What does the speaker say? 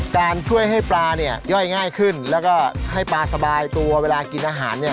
การช่วยให้ปลาเนี่ยย่อยง่ายขึ้นแล้วก็ให้ปลาสบายตัวเวลากินอาหารเนี่ย